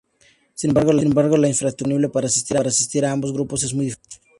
Sin embargo, la infraestructura disponible para asistir a ambos grupos es muy diferente.